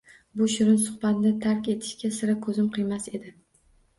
Bu shirin suhbatni tark etishga sira ko’zim qiymas edi.